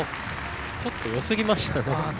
ちょっとよすぎましたね。